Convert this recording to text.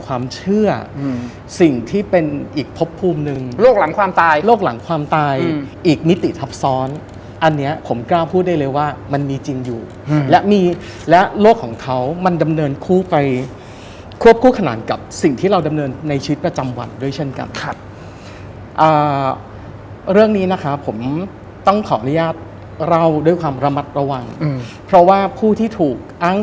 ความเชื่ออืมสิ่งที่เป็นอีกพบภูมิหนึ่งโรคหลังความตายโรคหลังความตายอีกมิติทับซ้อนอันเนี้ยผมกล้าพูดได้เลยว่ามันมีจริงอยู่และมีและโลกของเขามันดำเนินคู่ไปควบคู่ขนานกับสิ่งที่เราดำเนินในชีวิตประจำวันด้วยเช่นกันครับเรื่องนี้นะครับผมต้องขออนุญาตเล่าด้วยความระมัดระวังเพราะว่าผู้ที่ถูกอ้าง